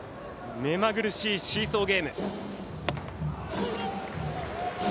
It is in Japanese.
目まぐるしいシーソーゲーム。